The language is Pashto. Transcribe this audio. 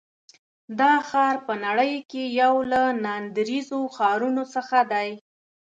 دا ښار په نړۍ کې یو له ناندرییزو ښارونو څخه دی.